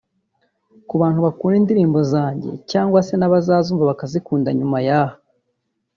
Ku bantu bakunda indirimbo zanjye cyagwa se n’abazazumva bakazikunda nyuma y’aha